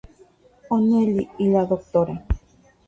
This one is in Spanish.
O'Neill y la Dra.